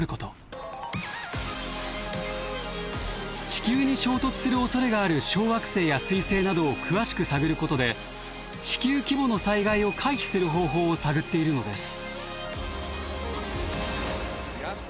地球に衝突するおそれがある小惑星や彗星などを詳しく探ることで地球規模の災害を回避する方法を探っているのです。